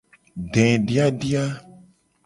Dediadia.